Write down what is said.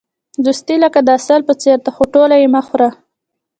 دوستي لکه د عسل په څېر ده، خو ټوله یې مه خوره.